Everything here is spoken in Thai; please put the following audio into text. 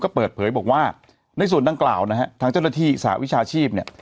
ก็เปิดเผยบอกว่าในส่วนดังกล่าวนะฮะทางเจ้าหน้าที่สหวิชาชีพเนี่ย